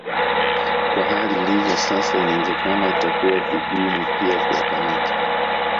Kwa hali ilivyo sasa inawezekana itakuwa vigumu pia kuwakamata